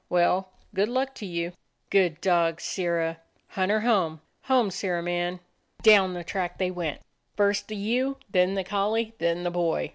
Well, good luck to you." "Good dog, Sirrah! Hunt her home; home, Sirrah man!" Down the track they went; first the ewe, then the collie, then the boy.